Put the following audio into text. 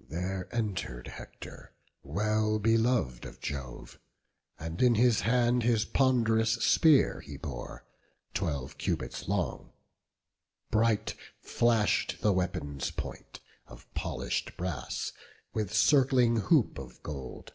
There enter'd Hector, well belov'd of Jove; And in his hand his pond'rous spear he bore, Twelve cubits long; bright flash'd the weapon's point Of polish'd brass, with circling hoop of gold.